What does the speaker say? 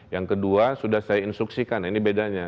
yang kedua sudah saya instruksikan ini bedanya